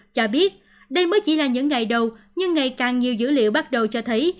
cho biết đây mới chỉ là những ngày đầu nhưng ngày càng nhiều dữ liệu bắt đầu cho thấy